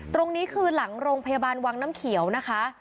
ตรงนี้คือหลังโรงพยาบาลวังน้ำเขียวนะคะ